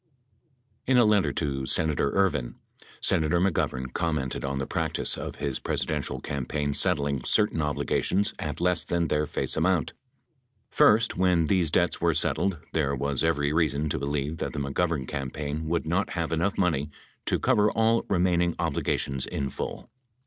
32 In a letter to Senator Ervin, Senator McGovern commented on the practice of his Presidential campaign settling certain obligations at less than their face amount : First, when these debts were settled, there was every reason to believe that the McGovern campaign would not have enough money to cover all remaining obligations in full.